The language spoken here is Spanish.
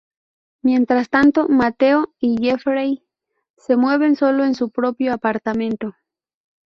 Mientras tanto, Mateo y Jeffrey se mueven sólo en su propio apartamento.